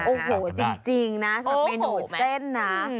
โอ้โหจริงนะสำหรับเมนูเส้นนะ